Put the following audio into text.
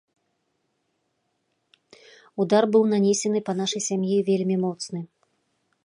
Удар быў нанесены па нашай сям'і вельмі моцны.